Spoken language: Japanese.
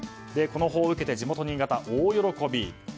この報を受けて地元の新潟は大喜び。